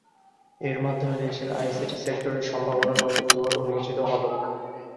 এর মাধ্যমে দেশের আইসিটি সেক্টরে সম্ভাবনার নতুন দুয়ার উন্মোচিত হলো।